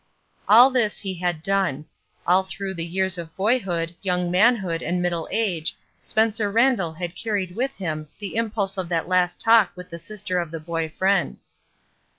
And this he had done. All through the years of boyhood, young manhood, and middle age Spencer Randall had carried with him the im pulse of that last talk with the sister of his boy friend.